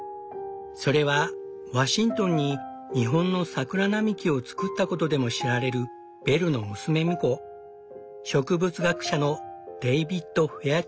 それはワシントンに日本の桜並木を作ったことでも知られるベルの娘婿植物学者のデイビッド・フェア